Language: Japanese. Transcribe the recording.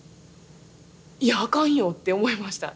いやあかんよって思いました。